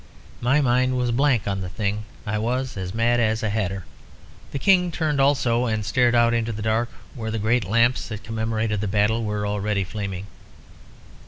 My mind was a blank on the thing. I was as mad as a hatter." The King turned also, and stared out into the dark, where the great lamps that commemorated the battle were already flaming.